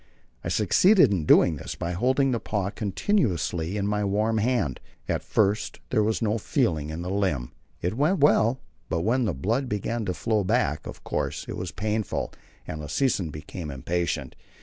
I succeeded in doing this by holding the paw continuously in my warm hand. At first, while there was no feeling in the limb, it went well; but when the blood began to flow back, of course it was painful, and Lassesen became impatient.